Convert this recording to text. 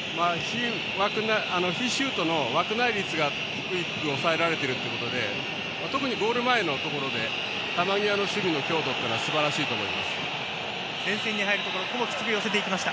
シュートの枠内率が低く抑えられているということで特にゴール前のところで球際の強度はすばらしいと思います。